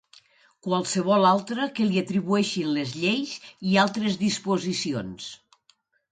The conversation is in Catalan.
Qualsevol altra que li atribueixin les lleis i altres disposicions.